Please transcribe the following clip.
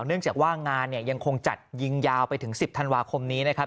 เนื่องจากว่างานเนี่ยยังคงจัดยิงยาวไปถึง๑๐ธันวาคมนี้นะครับ